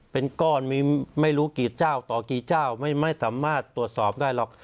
เป็นก้อนมีไม่รู้กี่เจ้าต่อกี่เจ้าไม่สามารถตรวจสอบได้หรอก